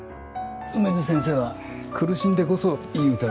梅津先生は苦しんでこそいい歌を詠む人だ。